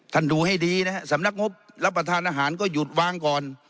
ดูให้ดีนะฮะสำนักงบรับประทานอาหารก็หยุดวางก่อน